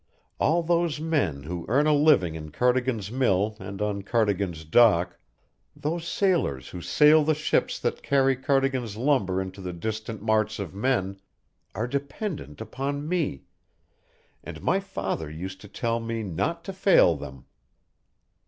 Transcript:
All those men who earn a living in Cardigan's mill and on Cardigan's dock those sailors who sail the ships that carry Cardigan's lumber into the distant marts of men are dependent upon me; and my father used to tell me not to fail them.